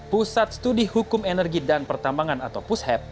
pusat studi hukum energi dan pertambangan atau pushep